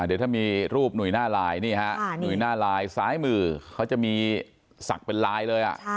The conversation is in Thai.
เดี๋ยวถ้ามีรูปหนุ่ยหน้าลายนี่ฮะหนุ่ยหน้าลายซ้ายมือเขาจะมีศักดิ์เป็นลายเลย